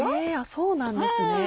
そうなんですね。